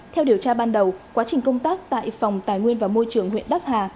theo điều tra ban đầu quá trình công tác tại phòng tài nguyên và môi trường huyện đắc hà